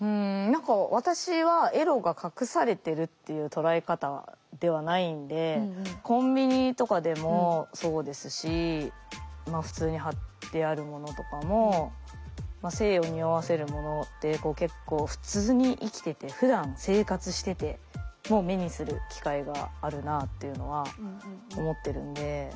何か私はエロが隠されてるっていう捉え方ではないんでコンビニとかでもそうですし普通に貼ってあるものとかも性をにおわせるものって結構普通に生きててふだん生活してても目にする機会があるなっていうのは思ってるんで。